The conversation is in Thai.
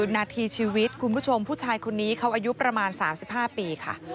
นาทีชีวิตคุณผู้ชมผู้ชายคนนี้เขาอายุประมาณ๓๕ปีค่ะ